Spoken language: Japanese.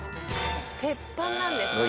鉄板なんですね。